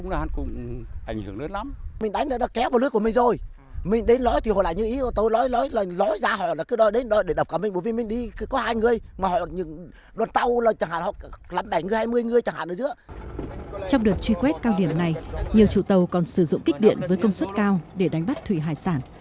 trong đợt truy quét cao điểm này nhiều chủ tàu còn sử dụng kích điện với công suất cao để đánh bắt thủy hải sản